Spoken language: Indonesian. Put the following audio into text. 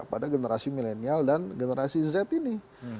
pada generasi milenial dan generasi z ini